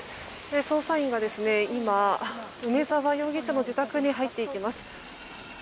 捜査員が今梅沢容疑者の自宅に入っていきます。